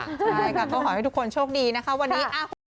ใช่ค่ะก็ขอให้ทุกคนโชคดีนะคะวันนี้